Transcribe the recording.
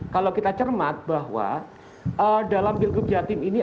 kalau kita cermat bahwa dalam pilgub jatim ini